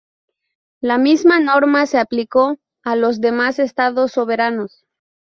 La misma norma se aplicó a los demás Estados Soberanos.